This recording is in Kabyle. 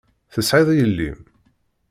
Tesεiḍ yelli-m?